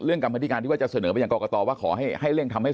เรื่องกรรมพิธีการที่ว่าจะเสนอไปอย่างกอกกะตอว่าขอให้ให้เรื่องทำให้